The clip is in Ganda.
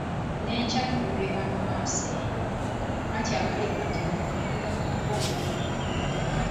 Ne kye tulibeera mu maaso eyo, anti akaliba akendo okalabira ku mukonda.